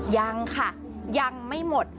ยังค่ะยังไม่หมด